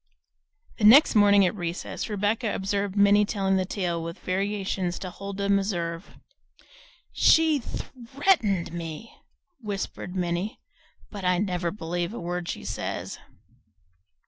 The next morning at recess Rebecca observed Minnie telling the tale with variations to Huldah Meserve. "She THREATENED me," whispered Minnie, "but I never believe a word she says."